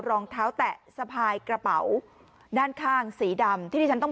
รองเท้าแตะสะพายกระเป๋าด้านข้างสีดำที่ที่ฉันต้อง